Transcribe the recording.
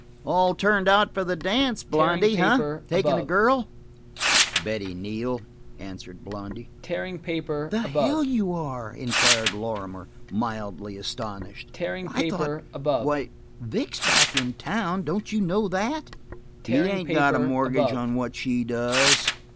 "All turned out for the dance, Blondy, eh? Takin' a girl?" "Betty Neal," answered Blondy. "The hell you are!" inquired Lorrimer, mildly astonished. "I thought why, Vic's back in town, don't you know that?" "He ain't got a mortgage on what she does."